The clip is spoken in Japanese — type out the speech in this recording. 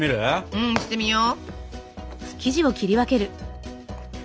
うんしてみよう。